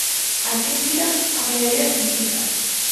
Así o indican a maioría das enquisas.